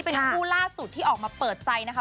เป็นคู่ล่าสุดที่ออกมาเปิดใจนะคะ